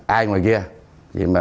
ai ngoài kia